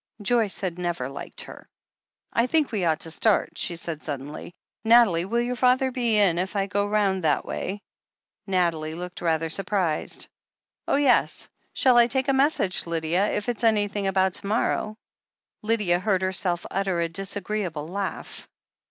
Joyce had never liked her. "I think we ought to start," she said suddenly. "Nathalie, will your father be in if I go round that way?" Nathalie looked rather surprised. "Oh, yes. Shall I take a message, Lydia, if it's any thing about to morrow ?" Lydia heard herself utter a disagreeable laugh.